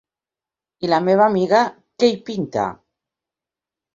I la meva amiga, què hi pinta?